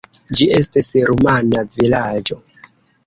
Ĝi estis rumana vilaĝo.